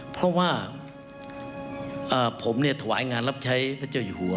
เพราะว่าผมเนี่ยถวายงานรับใช้พระเจ้าอยู่หัว